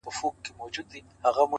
دا څو وجوده ولې په يوه روح کي راگير دي”